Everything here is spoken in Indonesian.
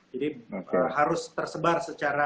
jadi harus tersebar secara